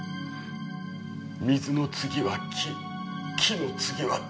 水の次は木木の次は土。